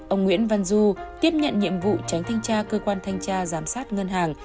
ông nguyễn văn du tiếp nhận nhiệm vụ tránh thanh tra cơ quan thanh tra giám sát ngân hàng